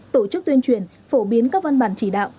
tổ chức tuyên truyền phổ biến các văn bản chỉ đạo